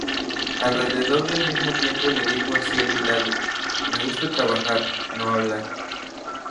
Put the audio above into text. Alrededor del mismo tiempo le dijo a cielo Italia, "Me gusta trabajar, no hablar.